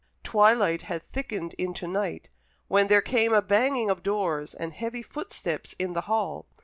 Twilight had thickened into night, when there came a banging of doors and heavy footsteps in the hall.